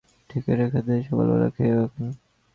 ঢেকে রেখে দি, সকালবেলা খেয়ো এখন।